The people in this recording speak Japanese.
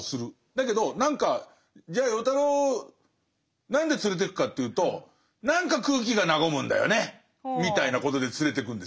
だけど何かじゃあ与太郎何で連れてくかというと何か空気が和むんだよねみたいなことで連れてくんですね。